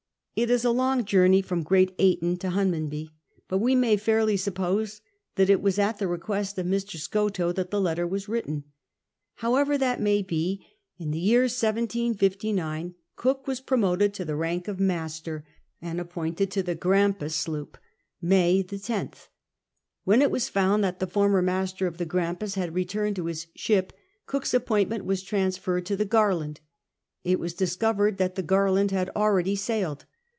It is a long joutney from Great Ay ton to Huiimanby, but we may fairly suppose that it Avas at the request of Mr. SkottoAve that the letter Avas Avritten. HoAvever that may bo, in the year 1759 Cook Avas promoted to the rank of master, and appointed to the Grarwpm sloop, May the 10th. When it Avas found that the former master of the Grampus had re turned to his ship. Cook's appointment Avas transferred to the Garland. It aa'us discovered that the Garhnd had already sailed.